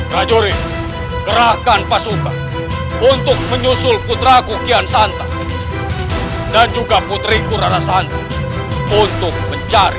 rajuri gerakan pasukan untuk menyusul putra kukian santan dan juga putri kurara santan untuk mencari